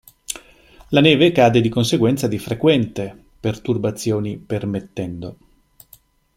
La neve cade di conseguenza di frequente, perturbazioni permettendo.